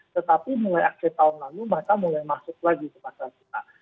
tetapi mulai akhir tahun lalu mereka mulai masuk lagi ke pasar kita